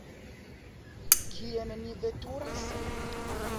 Kien ni veturas?